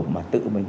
mà tự mình